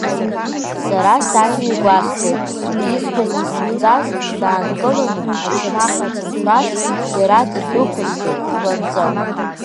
Сара сааины игәасҭоит, исҳәаз назмыгӡаз даанкыланы ачанах ацымхәрас иара ддәықәсҵоит хланҵы.